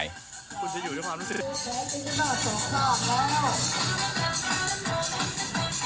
หูหูหูห้าหกเกิดละแปดอีกละเติด